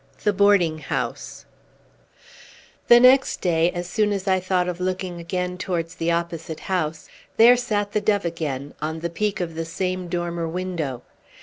THE BOARDING HOUSE The next day, as soon as I thought of looking again towards the opposite house, there sat the dove again, on the peak of the same dormer window!